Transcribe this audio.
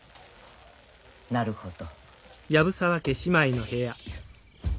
なるほど。